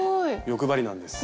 欲張りなんです。